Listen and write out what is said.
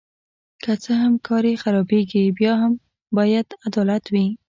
که څه هم کار یې خرابیږي بیا هم باید عدالت وي.